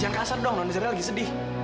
jangan kasar dong nonisernya lagi sedih